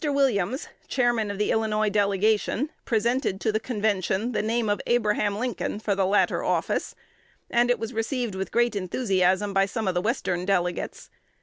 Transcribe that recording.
Williams, Chairman of the Illinois Delegation, presented to the convention the name of Abraham Lincoln for the latter office; and it was received with great enthusiasm by some of the Western delegates.